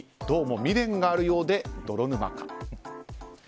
どうも未練があるようで泥沼化。